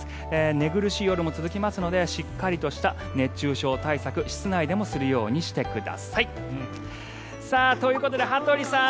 寝苦しい夜も続きますのでしっかりとした熱中症対策室内でもするようにしてください。ということで羽鳥さん